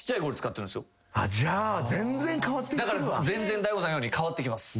大悟さん言うように変わっていきます。